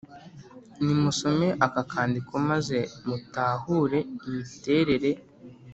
nimusome aka kandiko maze mutahure imiterere